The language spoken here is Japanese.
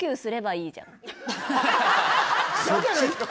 嫌じゃないですか？